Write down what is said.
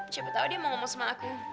siapa tahu dia mau ngomong sama aku